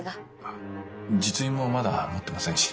あ実印もまだ持ってませんし。